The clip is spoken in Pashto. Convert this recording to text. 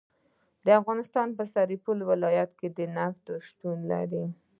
د افغانستان په سرپل ولایت کې نفت شتون لري